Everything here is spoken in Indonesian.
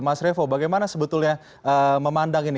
mas revo bagaimana sebetulnya memandang ini